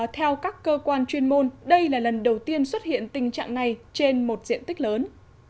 theo các cơ quan chuyên môn đây là lần đầu tiên xuất hiện tình trạng này trên một diện tích lớn